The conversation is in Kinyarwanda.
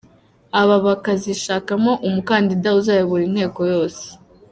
Aba bakazishakamo umukandida uzayobora inteko yose.